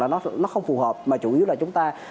nó không phù hợp mà chủ yếu là chúng ta